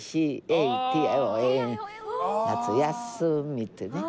「夏休み！」っていうね。